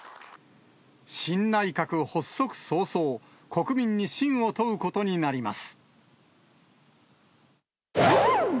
新内閣発足早々、国民に信を問うことになります。